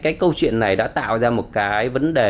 cái câu chuyện này đã tạo ra một cái vấn đề